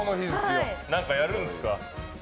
何かやるんですか？